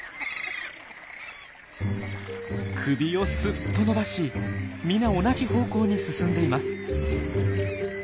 首をスッと伸ばし皆同じ方向に進んでいます。